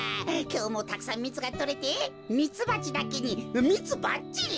きょうもたくさんミツがとれてミツバチだけにミツバッチリ！